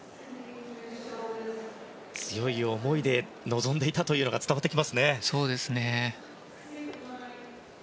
強い思いで臨んでいたというのが伝わってきますね。